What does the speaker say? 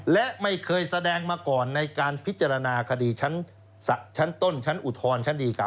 และไม่เคยแสดงมาก่อนในการพิจารณาคดีชั้นต้นชั้นอุทธรณ์ชั้นดีการ